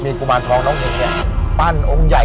กุมารทองน้องอินเนี่ยปั้นองค์ใหญ่